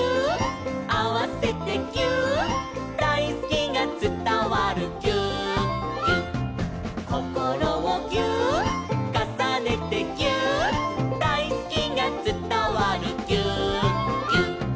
「あわせてぎゅーっ」「だいすきがつたわるぎゅーっぎゅっ」「こころをぎゅーっ」「かさねてぎゅーっ」「だいすきがつたわるぎゅーっぎゅっ」